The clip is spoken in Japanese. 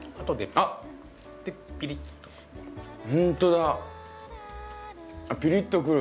あっピリッとくる。